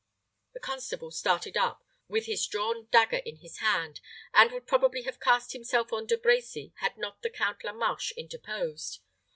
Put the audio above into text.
The constable started up, with his drawn dagger in his hand, and would probably have cast himself on De Brecy, had not the Count La Marche interposed.